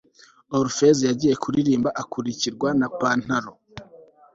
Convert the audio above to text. Orpheus yagiye kuririmba akurikirwa na pantaro